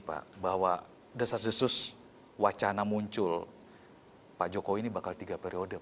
bahwa desa desus wacana muncul pak joko ini bakal tiga periode